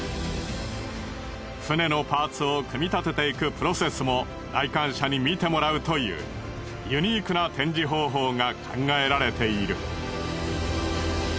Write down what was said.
船のパーツを組み立てていくプロセスも来館者に見てもらうというユニークな展示方法が考えられている。